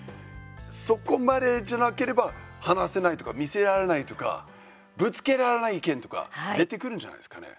そこまでじゃなければ話せないとか見せ合えないとかぶつけられない意見とか出てくるんじゃないですかね。